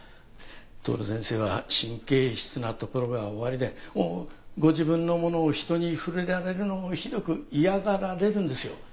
徹先生は神経質なところがおありでご自分のものを人に触れられるのをひどく嫌がられるんですよ。